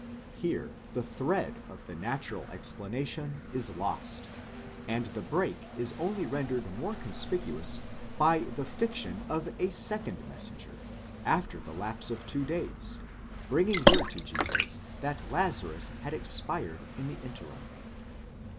Here the thread of the natural explanation is lost, and the break is only rendered more conspicuous by the fiction of a second messenger," after the lapse of two days, bringing word to Jesus that Lazarus had expired in the interim.